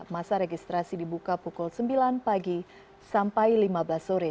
masa registrasi dibuka pukul sembilan pagi sampai lima belas sore